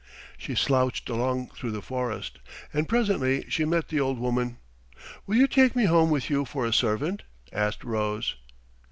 She slouched along through the forest, and presently she met the old woman. "Will you take me home with you for a servant?" asked Rose.